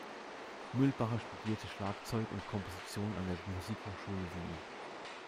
Mühlbacher studierte Schlagzeug und Komposition an der Musikhochschule Wien.